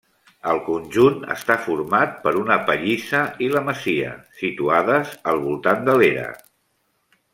El conjunt està format per una pallissa i la masia, situades al voltant de l'era.